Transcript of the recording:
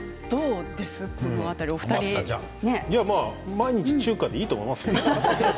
毎日、中華でいいと思いますよ。